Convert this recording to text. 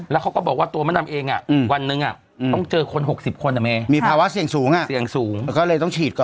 แล้วเขาก็บอกว่าตัวมะดำเองวันหนึ่งต้องเจอคน๖๐คนมีภาวะเสี่ยงสูงเสี่ยงสูงก็เลยต้องฉีดก่อน